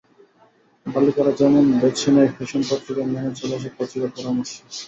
বালিকারা যেমন বেছে নেয় ফ্যাশন পত্রিকা, মেনে চলে এসব পত্রিকার পরামর্শ।